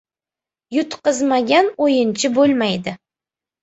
• Yutqizmagan o‘yinchi bo‘lmaydi.